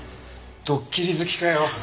どっきり好きかよ。